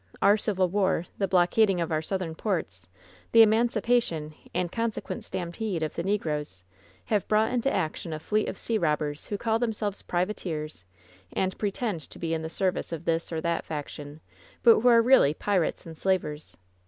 Our Civil War, the blockading of our Southern ports, the emancipation, and consequent stampede of the negroes, have brought into action a fleet of sea robbers who call themselves privateers, and pretend to be in the service of this or that faction, but who are really pirates and slavers.